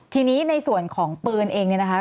ทีนี้ในส่วนของปืนเองเนี่ยนะคะ